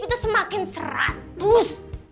itu semakin seratus